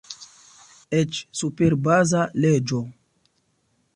Eĉ super Baza Leĝo!